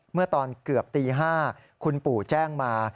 เมื่อตอนเกือบตี๕คุณปู่แจ้งมา